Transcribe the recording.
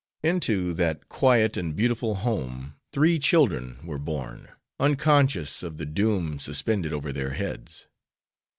Into that quiet and beautiful home three children were born, unconscious of the doom suspended over their heads.